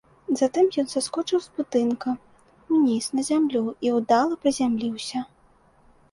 Затым ён саскочыў з будынка ўніз на зямлю і ўдала прызямліўся.